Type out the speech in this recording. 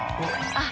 あっ！